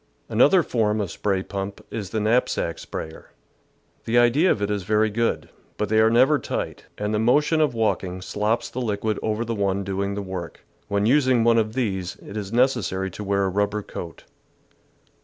Another form of spray pump is the knapsack sprayer. The idea of it is very good, but they are never tight, and the motion of walking slops the liquid over the one doing the work. When using one of these, it is necessary to wear a rubber coat.